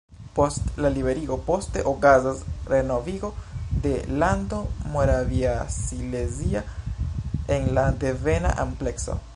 Post la liberigo poste okazas renovigo de Lando Moraviasilezia en la devena amplekso.